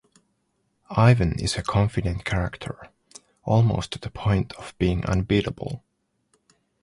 Ivan is a confident character, almost to the point of being unbeatable.